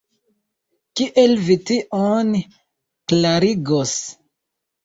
Kiel vi tion klarigos?